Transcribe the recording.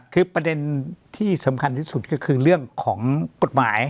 คือประเด็นที่สำคัญที่สุดก็คือเรื่องของกฎหมาย